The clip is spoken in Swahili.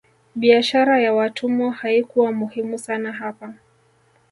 Biashara ya watumwa haikuwa muhimu sana hapa